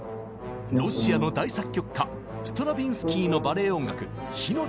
ロシアの大作曲家ストラヴィンスキーのバレエ音楽「火の鳥」の一曲。